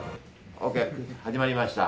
ＯＫ、始まりました。